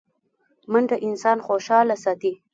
منډه انسان خوشحاله ساتي